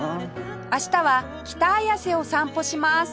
明日は北綾瀬を散歩します